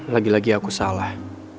lagi lagi aku salah